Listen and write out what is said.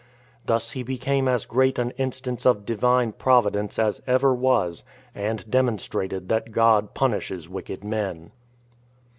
Thus he became as great an instance of Divine Providence as ever was, and demonstrated that God punishes wicked men.